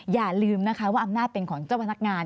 อย่าลืมนะคะว่าอำนาจเป็นของเจ้าพนักงาน